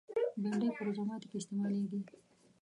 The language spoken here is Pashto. بېنډۍ په روژه ماتي کې استعمالېږي